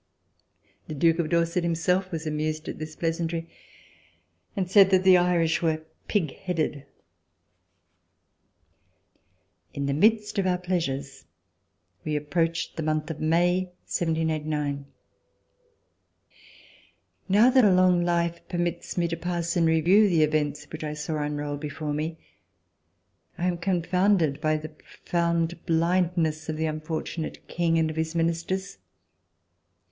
The Duke of Dorset him self was amused at this pleasantry and said that the Irish were pig headed! RECOLLECTIONS OF THE REVOLUTION In the midst of our pleasures we approached the month of May, 1789. Now that a long life permits me to pass In review the events which I saw unroll be fore me, I am confounded by the profound blind ness of the unfortunate King and of his Ministers.